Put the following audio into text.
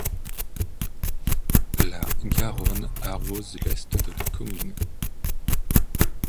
La Garonne arrose l'est de la commune.